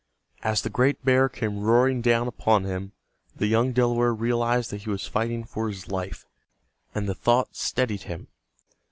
As the great bear came roaring down upon him the young Delaware realized that he was fighting for his life, and the thought steadied him.